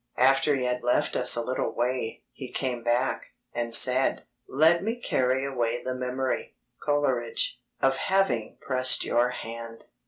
After he had left us a little way, he came back, and said: "Let me carry away the memory, Coleridge, of having pressed your hand!"